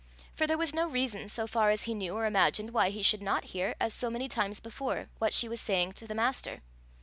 For there was no reason, so far as he knew or imagined, why he should not hear, as so many times before, what she was saying to the Master.